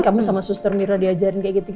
kamu sama suster mira diajarin kayak gitu